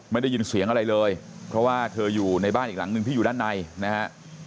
ไม่ได้ยินเสียงอะไรเลยเพราะว่าเธออยู่ในบ้านอีกหลังหนึ่งที่อยู่ด้านในนะฮะ